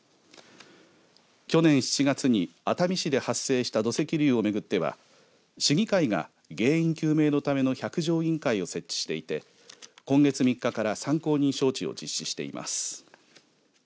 去年７月に熱海市で発生した土石流をめぐっては市議会が原因究明のための百条委員会を設置していて今月３日から参考人招致を実施しています。